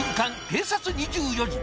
警察２４時」